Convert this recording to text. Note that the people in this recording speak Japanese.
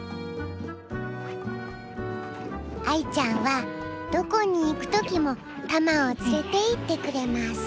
愛ちゃんはどこに行く時もたまを連れていってくれます。